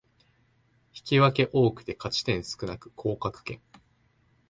引き分け多くて勝ち点少なく降格圏